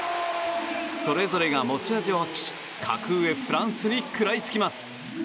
それぞれが持ち味を発揮し格上フランスに食らいつきます。